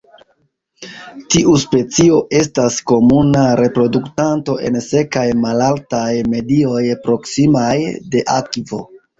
Tiu specio estas komuna reproduktanto en sekaj malaltaj medioj proksimaj de akvo.